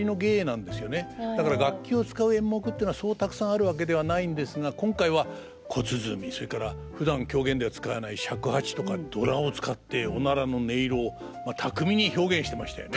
だから楽器を使う演目っていうのはそうたくさんあるわけではないんですが今回は小鼓それからふだん狂言では使わない尺八とかドラを使っておならの音色を巧みに表現してましたよね。